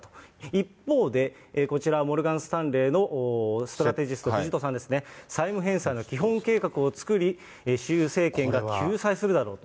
一方で、こちらはモルガンスタンレーのストラテジスト、藤戸さんですね、債務返済の基本計画を作り、急性制裁が救済するだろうと。